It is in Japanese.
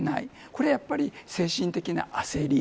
これはやっぱり精神的な焦り。